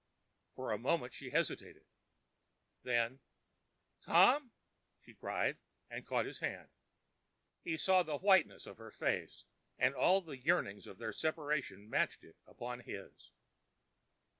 For a moment she hesitated. Then, "Tom!" she cried, and caught his hand. He saw the whiteness of her face, and all the yearnings of their separation matched it upon his.